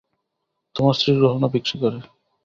তোমার স্ত্রীর গহনা বিক্রি করে।